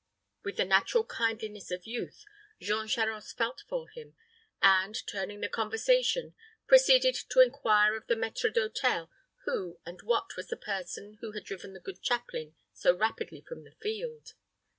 With the natural kindliness of youth, Jean Charost felt for him, and, turning the conversation, proceeded to inquire of the maître d'hôtel who and what was the person who had driven the good chaplain so rapidly from the field.